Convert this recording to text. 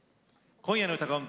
今夜の「うたコン」